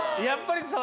やっぱり。